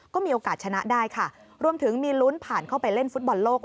ก็มีโอกาสชนะได้ค่ะรวมถึงมีลุ้นผ่านเข้าไปเล่นฟุตบอลโลก